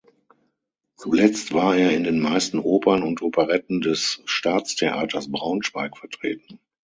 Zuletzt war er in den meisten Opern und Operetten des Staatstheaters Braunschweig vertreten.